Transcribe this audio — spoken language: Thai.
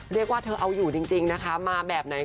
เรียกว่าเธอเอาอยู่จริงนะคะมาแบบไหน